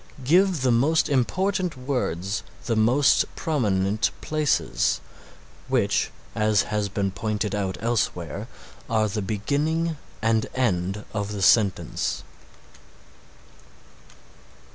Give the most important words the most prominent places, which, as has been pointed out elsewhere, are the beginning and end of the sentence.